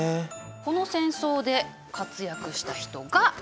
この戦争で活躍した人がこの人です。